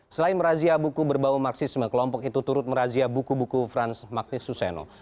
selain merazia buku berbau marxisme kelompok itu turut merazia buku buku franz magnes suseno